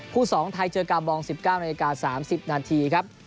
ผู้สองไทยเจอกับบอง๑๙น๓๐นครับ